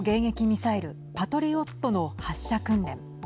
ミサイルパトリオットの発射訓練。